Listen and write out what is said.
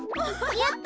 やったぜ。